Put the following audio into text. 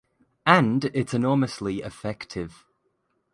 And it’s enormously effective.